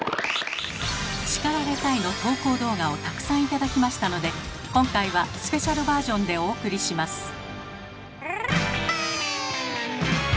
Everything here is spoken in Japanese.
「叱られたい！」の投稿動画をたくさん頂きましたので今回はスペシャルバージョンでお送りします。